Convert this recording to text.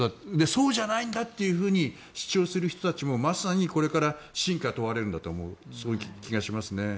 そうじゃないと主張する人もまさにこれから真価が問われるんだという気がしますね。